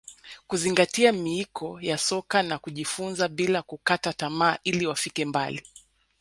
kuzingatia miiko ya soka na kujifunza bila kukata tamaa ili wafike mbali